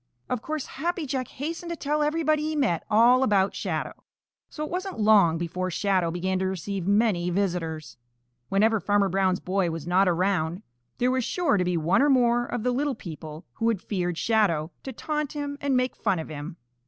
Of course Happy Jack hastened to tell everybody he met all about Shadow, so it wasn't long before Shadow began to receive many visitors. Whenever Farmer Brown's boy was not around there was sure to be one or more of the little people who had feared Shadow to taunt him and make fun of him.